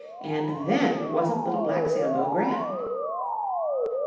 And then wasn't Little Black Sambo grand?